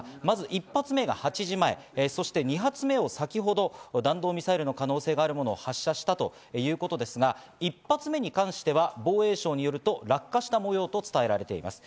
１発目が８時前、２発目は先ほど、弾道ミサイルの可能性があるものを発射したということですが、１発目に関しては防衛省によると、落下した模様と伝えられています。